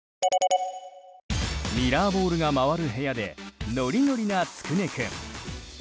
ミラーボールが回る部屋でノリノリな、つくね君。